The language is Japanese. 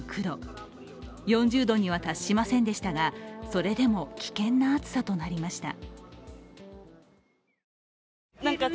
４０度には達しませんでしたがそれでも危険な暑さとなりました。